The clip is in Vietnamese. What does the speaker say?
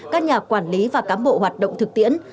các nhà quản lý và cám bộ hoạt động thực tiễn